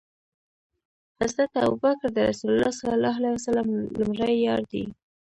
حضرت ابوبکر ص د رسول الله ص لمړی یار دی